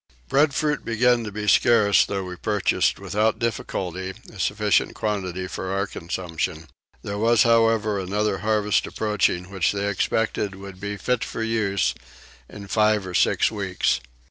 Breadfruit began to be scarce though we purchased without difficulty a sufficient quantity for our consumption: there was however another harvest approaching which they expected would be fit for use in five or six weeks.